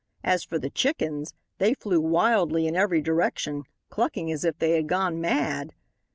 As for the chickens, they flew wildly in every direction, clucking as if they had gone mad.